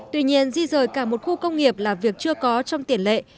tuy nhiên di rời cả một khu công nghiệp là việc chưa có trong tiền lệ